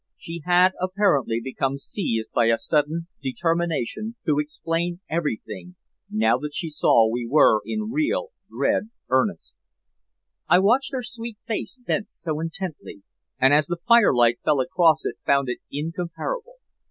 She had apparently become seized by a sudden determination to explain everything, now that she saw we were in real, dead earnest. I watched her sweet face bent so intently, and as the firelight fell across it found it incomparable.